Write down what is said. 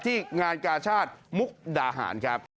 ที่งานกาชาติมุกดาหารครับ